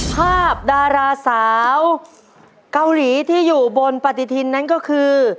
ภาพดาราสาวเกาหลีที่อยู่บนปฏิทินนั้นก็คือ